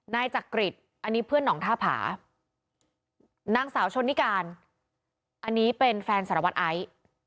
นายจักริตอันนี้เพื่อนหนองท่าผานางสาวชนนิการอันนี้เป็นแฟนสารวัตรไอซ์